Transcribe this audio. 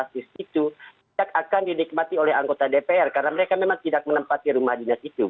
jadi kalau kita lihat jumlah uang yang fantastis itu tidak akan dinikmati oleh anggota dpr karena mereka memang tidak menempati rumah dinas itu